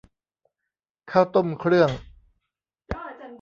ข้าวต้มเครื่อง